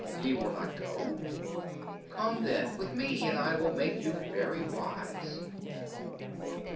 Ye will not go? Come, then, with me, and I will make you very wise!"